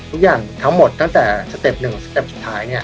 ทุกอย่างทั้งหมดตั้งแต่สเต็ป๑สเต็ปสุดท้ายเนี่ย